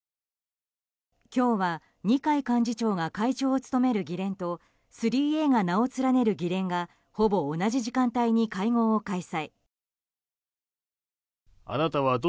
今日は二階幹事長が会長を務める議連と３Ａが名を連ねる議連がほぼ同じ時間帯に会合を開催。